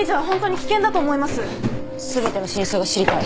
全ての真相が知りたい。